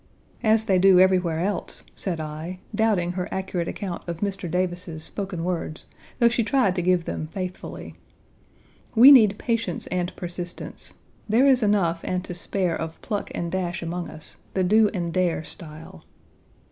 "As they do everywhere else," said I, doubting her accurate account of Mr. Davis's spoken words, though she tried to give them faithfully. We need patience and persistence. There is enough and to spare of pluck and dash among us, the do and dare style.